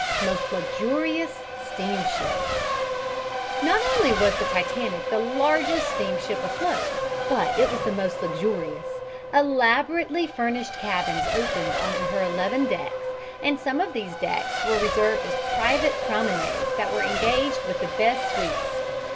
MOST LUXURIOUS STEAMSHIP Not only was the Titanic the largest steamship afloat but it was the most luxurious. Elaborately furnished cabins opened onto her eleven decks, and some of these decks were reserved as private promenades that were engaged with the best suites.